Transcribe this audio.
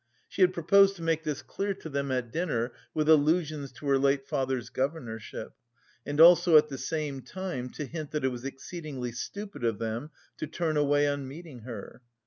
She had proposed to make this clear to them at dinner with allusions to her late father's governorship, and also at the same time to hint that it was exceedingly stupid of them to turn away on meeting her.